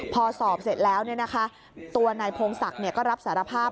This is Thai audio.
พอสอบเสร็จแล้วตัวนายพงศักดิ์ก็รับสารภาพ